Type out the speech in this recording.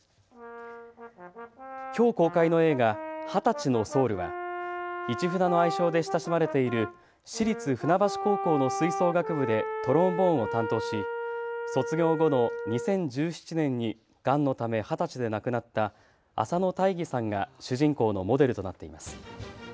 きょう公開の映画、２０歳のソウルはイチフナの愛称で親しまれている市立船橋高校の吹奏楽部でトロンボーンを担当し卒業後の２０１７年にがんのため二十歳で亡くなった浅野大義さんが主人公のモデルとなっています。